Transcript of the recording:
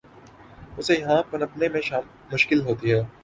اسے یہاں پنپنے میں مشکل ہوتی ہے۔